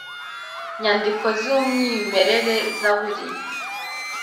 nyandiko z umwimerere zaburi